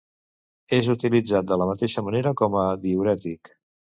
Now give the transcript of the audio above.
És utilitzat de la mateixa manera com a diürètic.